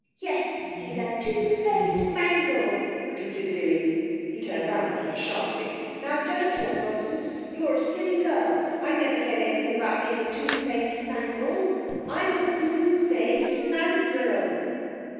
'Yes, he's a two faced mangle,' repeated Dilly. He turned round on her sharply. 'Now, don't talk nonsense! You're a silly girl. I never said anything about being a two faced mangle; I'm a blue faced mandrill.'